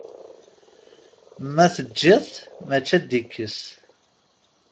Ma teǧǧiḍ-t mačči ad d-ikkes.